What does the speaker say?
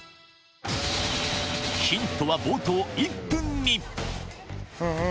ヒントは冒頭１分に。